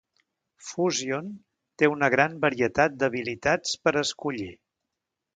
"Fuzion" té una gran varietat d'habilitats per escollir.